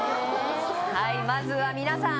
はいまずは皆さん